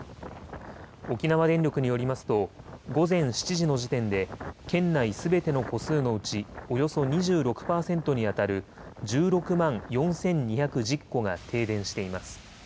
沖縄電力によりますと午前７時の時点で県内すべての戸数のうちおよそ２６％にあたる１６万４２１０戸が停電しています。